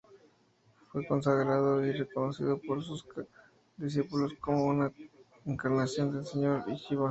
Fue consagrado y reconocido por sus discípulos como una encarnación del señor Shivá.